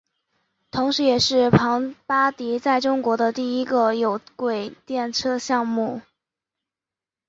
同时也是庞巴迪在中国的第一个有轨电车项目。